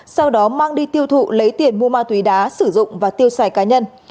sau đó mang đi tiêu thụ lấy tiền mua ma túy đá sử dụng và tiêu xài cá nhân